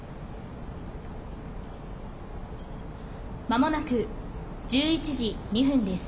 まもなく１１時２分です。